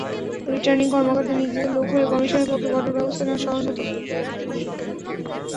Returning কর্মকর্তা নিজেদের লোক হলে কমিশনের পক্ষে কঠোর ব্যবস্থা নেওয়া সহজ হতো।